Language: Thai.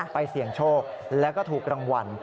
เสี่ยงโชคแล้วก็ถูกรางวัล